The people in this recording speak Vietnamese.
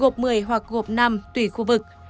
gộp một mươi hoặc gộp năm tùy khu vực